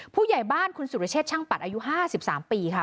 ผู้ใหญ่บ้านคุณสุรเชษช่างปัดอายุ๕๓ปีค่ะ